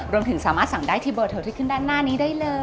รวมถึงสามารถสั่งได้ที่เบอร์โทรที่ขึ้นด้านหน้านี้ได้เลย